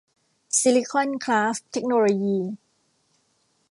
ซิลิคอน คราฟท์ เทคโนโลยี